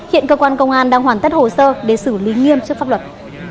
hiện cơ quan công an đang hoàn tất hồ sơ để xử lý nghiêm trước pháp luật